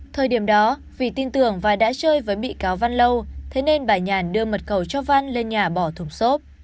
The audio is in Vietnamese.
thời điểm đó vì tin tưởng và đã chơi với bị cáo văn lâu thế nên bà nhàn đưa mật cầu cho văn lên nhà bỏ thùng xốp